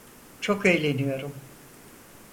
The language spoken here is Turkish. Çok eğleniyorum.